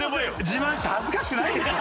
自慢して恥ずかしくないんですか？